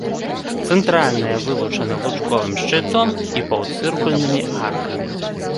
Цэнтральная вылучана лучковым шчытом і паўцыркульнымі аркамі.